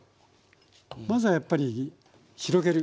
まずはやっぱり広げる。